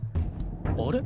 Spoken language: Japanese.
あれ？